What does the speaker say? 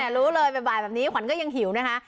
รู้เลยบ่ายแบบนี้ขวัญก็ยังหิวนะคะ